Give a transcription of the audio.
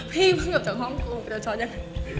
พี่เพิ่งหยุดจากห้องกลุ่มก็จะชอบจริง